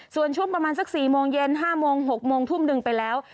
ส่วนช่วงประมาณสัก๔โมงเย็น๕โมง๖โมงทุ่มหนึ่งไปแล้ว